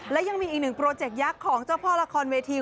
และยังมีอีกหนึ่งโปรเจกต์ยักษ์ของเจ้าพ่อละครเวที